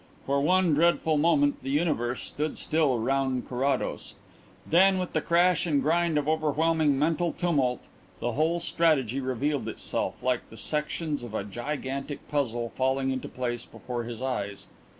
For one dreadful moment the universe stood still round Carrados. Then, with the crash and grind of overwhelming mental tumult, the whole strategy revealed itself, like the sections of a gigantic puzzle falling into place before his eyes.